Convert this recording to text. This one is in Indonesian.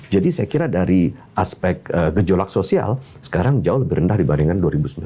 jadi saya kira dari aspek gejolak sosial sekarang jauh lebih rendah dibandingkan dua ribu sembilan belas